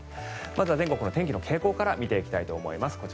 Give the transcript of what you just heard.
まずは全国の天気の傾向から見ていきたいと思います。